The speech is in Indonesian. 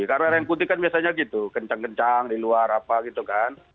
karena rerang kuti kan biasanya gitu kencang kencang di luar apa gitu kan